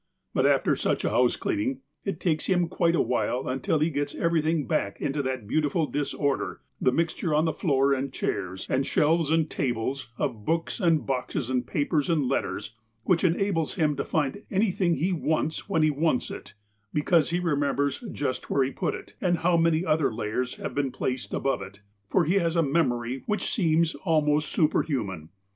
But, after such a house cleaning, it takes him quite a while until he gets everything back into that beautiful disorder, the mixture on floor and chairs, and shelves, and tables, of books and boxes, and papers, and letters, which enables him to find anything he wants, when he wants it, because he remembers j ust where he put it, and how many other layers have been placed above it, for he has a memory which seems almost superhuman.